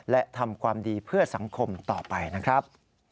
และทำความดีเพื่อสังคมต่อไปนะครับ